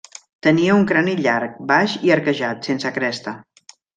Tenia un crani llarg, baix i arquejat, sense cresta.